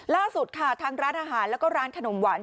ล่าสุดค่ะทางร้านอาหารแล้วก็ร้านขนมหวาน